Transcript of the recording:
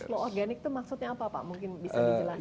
flow organik itu maksudnya apa pak mungkin bisa dijelaskan